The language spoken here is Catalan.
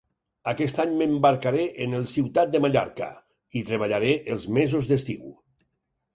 Aquest any m'embarcaré en el "Ciutat de Mallorca": hi treballaré els mesos d'estiu.